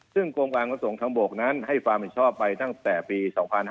ซึ่งกรมการกระสงค์ทั้งบกนั้นให้ฟาร์มผิดชอบไปตั้งแต่ปี๒๕๔๓